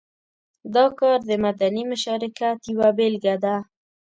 دا کار د مدني مشارکت یوه بېلګه ده.